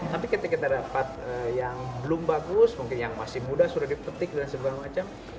tapi ketika kita dapat yang belum bagus mungkin yang masih muda sudah dipetik dan segala macam